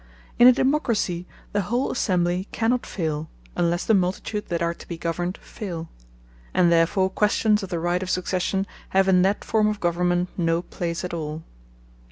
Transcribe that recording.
In a Democracy, the whole Assembly cannot faile, unlesse the Multitude that are to be governed faile. And therefore questions of the right of Succession, have in that forme of Government no place at all.